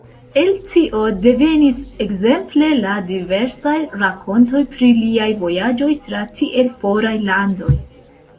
El tio devenis, ekzemple, la diversaj rakontoj pri liaj vojaĝoj tra tiel foraj landoj.